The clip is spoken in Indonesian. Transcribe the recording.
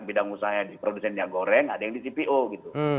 bidang usaha di produsen minyak goreng ada yang di cpo gitu